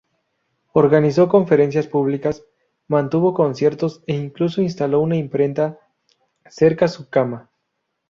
Organizó conferencias públicas, mantuvo conciertos e incluso instaló una imprenta cerca su cama.